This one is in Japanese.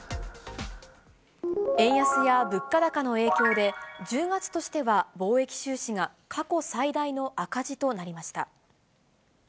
円安や物価高の影響で、１０月としては貿易収支が過去最大の赤字となりました。